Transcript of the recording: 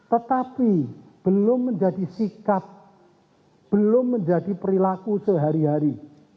tetapi belum menjadi sikap belum menjadi perilaku sehari hari